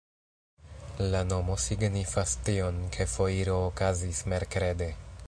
La nomo signifas tion, ke foiro okazis merkrede.